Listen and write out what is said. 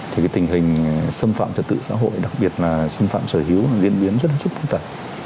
thì cái tình hình xâm phạm cho tự xã hội đặc biệt là xâm phạm sở hữu diễn biến rất là sức phúc tẩy